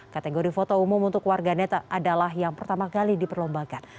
kategori foto umum untuk warganet adalah yang pertama kali diperlombakan